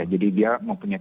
jadi dia mempunyai